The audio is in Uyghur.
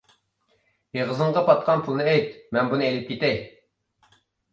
ئېغىزىڭغا پاتقان پۇلنى ئېيت، مەن بۇنى ئېلىپ كېتەي.